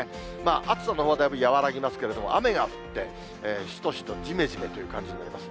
暑さのほうはだいぶ和らぎますけれども、雨が降って、しとしと、じめじめという感じになります。